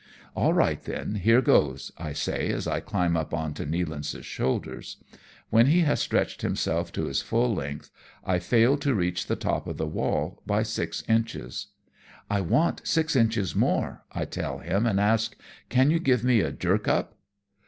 " All right, then, here goes," I say, as I climb up on to Nealance's shoulders. When he has stretched him^ self to his full length, I fail to reach the top of the wall by six inches. " I want six inches more," I tell him, and ask, " Can you give me a jerk up